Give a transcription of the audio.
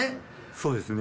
そうですね。